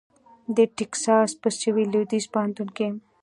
د ټیکساس په سوېل لوېدیځ پوهنتون کې